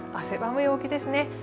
汗ばむ陽気ですね。